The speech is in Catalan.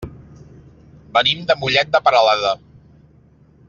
Venim de Mollet de Peralada.